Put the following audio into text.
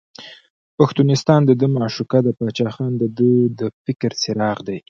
پښتونستان دده معشوقه ده، باچا خان دده د فکر څراغ دی.